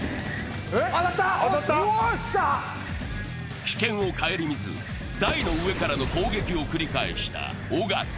危険を顧みず、台の上からの攻撃を繰り返した尾形。